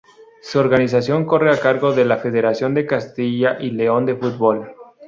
Su organización corre a cargo de la Federación de Castilla y León de Fútbol.